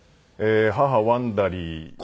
母ワンダリーです。